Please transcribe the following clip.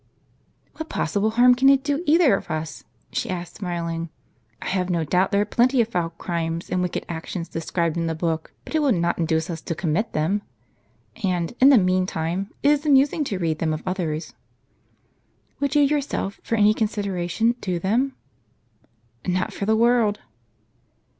"What possible harm can it do either of us? " she asked, smiling. " I have no doubt there are plenty of foul crimes and wicked actions described in the book ; but it will not induce us to commit them. And, in the meantime, it is amusing to read them of others." "Would you yourself, for any consideration, do them? "" Not for the world."